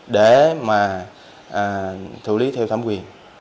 để mà thủ lý theo dõi